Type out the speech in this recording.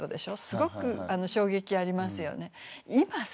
すごく衝撃ありますよね。